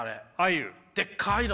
でっかいの。